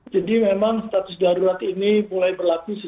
jadi memang status darurat ini itu memang akan diberlakukan